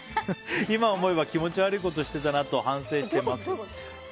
今思えば気持ち悪いことをしてたなと反省しています。